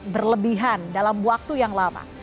berlebihan dalam waktu yang lama